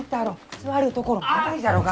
座るところもないじゃろうが！